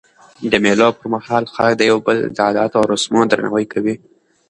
د مېلو پر مهال خلک د یو بل د عادتو او رسمو درناوی کوي.